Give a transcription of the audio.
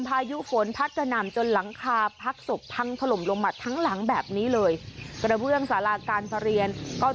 พายุฝนพัดกระหน่ำจนหลังคาพักศพพังถล่มลงมาทั้งหลังแบบนี้เลยกระเบื้องสาราการประเรียนก็